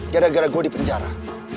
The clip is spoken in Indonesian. gara gara gue di penjara